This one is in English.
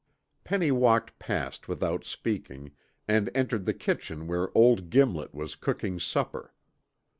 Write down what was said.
Penny walked past without speaking, and entered the kitchen where old Gimlet was cooking supper.